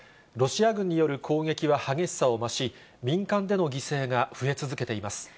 ロシア軍による攻撃は激しさを増し、民間での犠牲が増え続けています。